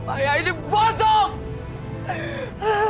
ayah ini busuk